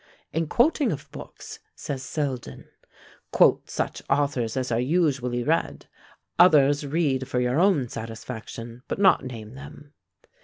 "In quoting of books," says Selden, "quote such authors as are usually read; others read for your own satisfaction, but not name them."